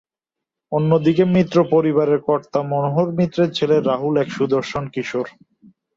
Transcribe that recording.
অন্যদিকে মিশ্র পরিবারের কর্তা মনোহর মিশ্রের ছেলে রাহুল এক সুদর্শন কিশোর।